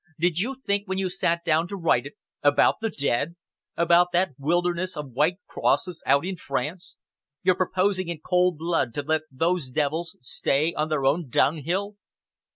Did you think, when you sat down to write it, about the dead? about that wilderness of white crosses out in France? You're proposing in cold blood to let those devils stay on their own dunghill."